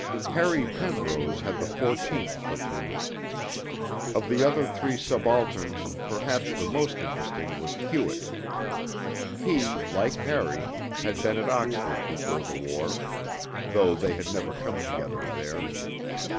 Harry Penrose had the 14th Platoon. Of the other three subalterns perhaps the most interesting was Hewett. He, like Harry, had been at Oxford before the war, though they had never come together there.